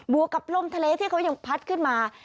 วกกับลมทะเลที่เขายังพัดขึ้นมา